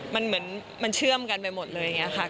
มันเหมือนมันเชื่อมกันไปหมดเลยอย่างนี้ค่ะ